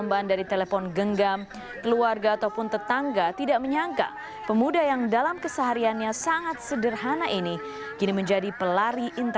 bagaimana perasaan anda dalam buku sejarah itu